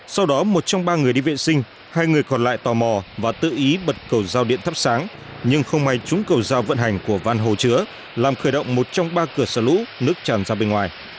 sau đó một trong ba người đi vệ sinh hai người còn lại tò mò và tự ý bật cầu giao điện thắp sáng nhưng không may trúng cầu giao vận hành của van hồ chứa làm khởi động một trong ba cửa sở lũ nước tràn ra bên ngoài